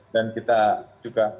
dan kita juga